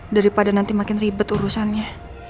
daripada nanti makin ribet urusannya